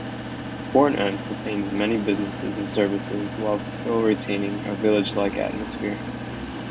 Bourne End sustains many businesses and services whilst still retaining a village-like atmosphere.